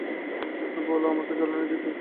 তাকে বলো আমাকে জল এনে দিতে।